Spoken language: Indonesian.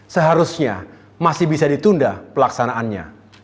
seharusnya masih bisa ditunda pelaksanaannya